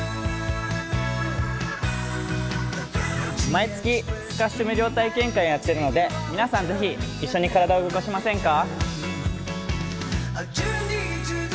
毎月、スカッシュ無料体験会をやっているので皆さん、ぜひ一緒に体を動かしませんか？